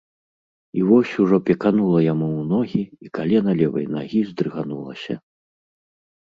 І вось ужо пеканула яму ў ногі, і калена левай нагі здрыганулася.